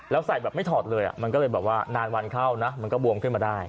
แล้วใส่แบบไม่ถอดเลยมันก็เลยแบบว่านานวันเข้านะมันก็บวมขึ้นมาได้